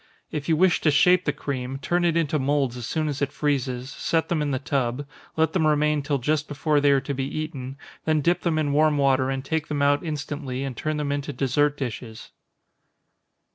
If you wish to shape the cream, turn it into moulds as soon as it freezes, set them in the tub, let them remain till just before they are to be eaten, then dip them in warm water, and take them out instantly, and turn them into dessert dishes.